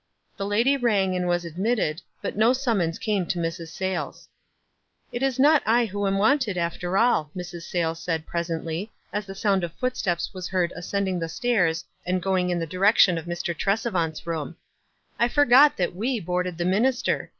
The lady rang and was admitted, but no sum mons came to Mrs. Sayles. "It is not I who am wanted, after all," Mrs. Sayles said, presently, as the sound of footsteps was heard ascending the stairs and sroim* in the direction of Mr. Trescvant's room. "I forgot that we boarded the minister.